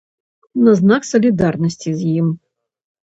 На знак салідарнасці з ім.